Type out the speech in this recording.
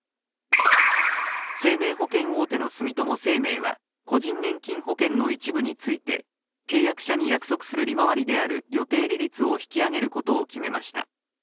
生命保険大手の住友生命は個人年金保険の一部について契約者に約束する利回りである予定利率を引き上げることを決めました。